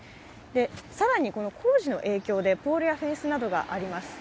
更に工事の影響でポールやフェンスなどがあります。